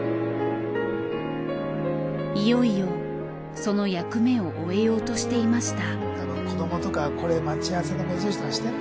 いよいよその役目を終えようとしていました。